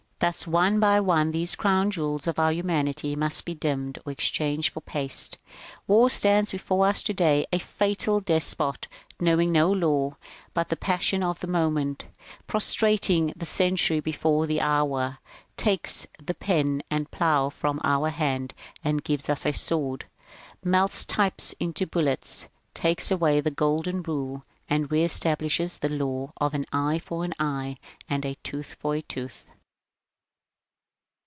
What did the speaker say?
" Thus one by one these crown jewels of our humanity must be dimmed or exchanged for paste. War stands before us to day a fatal despot, knowing no law but the passion of the moment, prostrating the century before the hour ; takes the pen and plough from our hand, and gives us a sword ; melts types into bullets ; takes away the golden rule, and reestablishes the law of an eye for an eye and a tooth for a tooth.